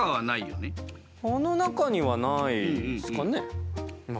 この中にはないですかね。